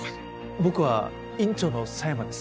僕は院長の佐山です。